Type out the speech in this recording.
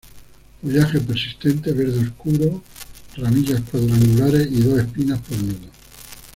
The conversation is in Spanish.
Follaje persistente, verde oscuro; ramillas cuadrangulares, y dos espinas por nudo.